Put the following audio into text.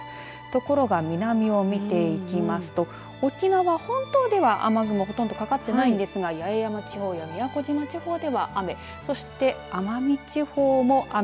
ところが南を見ていきますと沖縄本島では雨雲ほとんどかかっていないんですが八重山地方宮古島地方では雨そして、奄美地方も雨。